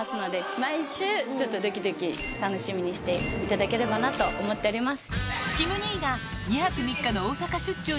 毎週ちょっとドキドキ楽しみにしていただければなと思っております。